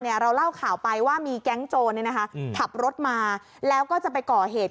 เราเล่าข่าวไปว่ามีแก๊งโจรขับรถมาแล้วก็จะไปก่อเหตุ